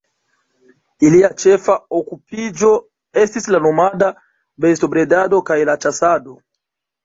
Ilia ĉefa okupiĝo estis la nomada bestobredado kaj la ĉasado.